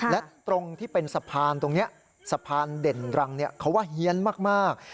และตรงที่เป็นสะพานตรงนี้สะพานเด่นรังเขาว่าเฮียนมาก